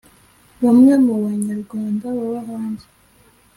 Bamwe mu Banyarwanda baba hanze